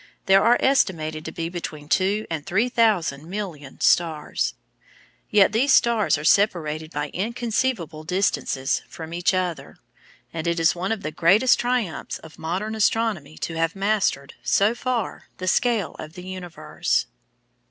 There are estimated to be between two and three thousand million stars. Yet these stars are separated by inconceivable distances from each other, and it is one of the greatest triumphs of modern astronomy to have mastered, so far, the scale of the universe.